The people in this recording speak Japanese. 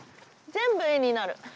全部絵になる。